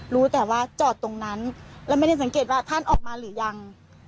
รู้แต่ว่าจอดตรงนั้นแล้วไม่ได้สังเกตว่าท่านออกมาหรือยัง